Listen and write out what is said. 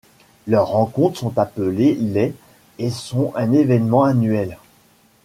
Leurs rencontres sont appelées les et sont un évènement annuel.